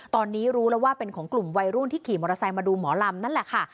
ตอนนี้รู้แล้วว่าเป็นของกลุ่มวัยรุ่นที่ขี่มอเตอร์ไซค์มาดูหมอลำนั่นแหละค่ะ